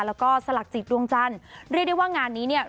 แล้วก็สลักจิตดวงจันทร์เรียกได้ว่างานนี้เนี่ย